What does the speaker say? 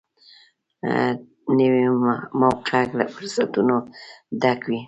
نوې موقعه له فرصتونو ډکه وي